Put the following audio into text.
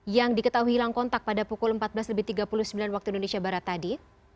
yang diketahui hilang kontak pada pukul empat belas lebih tiga puluh sembilan waktu indonesia barat tadi